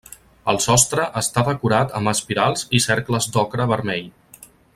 El sostre està decorat amb espirals i cercles d'ocre vermell.